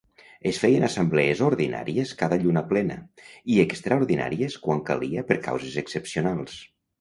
Es feien assemblees ordinàries cada lluna plena, i extraordinàries quan calia per causes excepcionals.